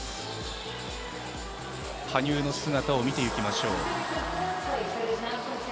羽生の姿を見ていきましょう。